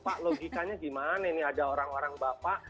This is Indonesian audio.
pak logikanya gimana ini ada orang orang bapak